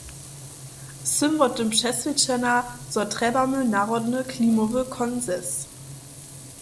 Sym wo tym přeswědčena, zo trjebamy narodny klimowy konsens.